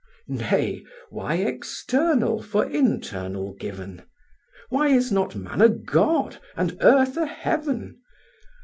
Nay, why external for internal given? Why is not man a god, and earth a heaven?